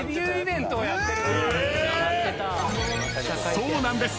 ［そうなんです。